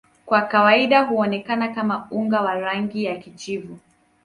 Kwa kawaida huonekana kama unga wa rangi ya kijivu.